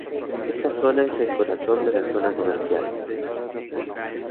Esta zona es el corazón de la zona comercial.